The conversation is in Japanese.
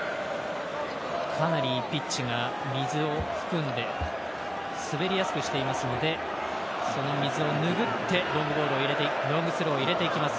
かなりピッチが水を含んで滑りやすくしていますのでその水をぬぐってロングスローを入れていきます